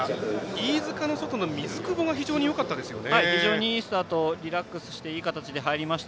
飯塚の外の水久保が非常によかったですよね。